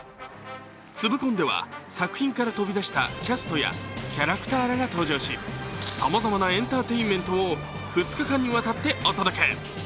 ツブコンでは作品から飛び出したキャストやキャラクターらが登場し、さまざまなエンターテインメントを２日間にわたってお届け。